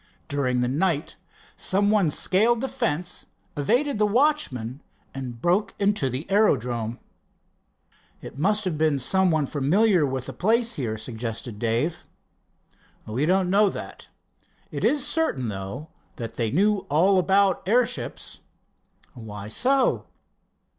During the night some one scaled the fence, evaded the watchman, and broke into the aerodrome." "It must have been some one familiar with the place here," suggested Dave. "We don't know that. It is certain, though, that they knew all about airships." "Why so?"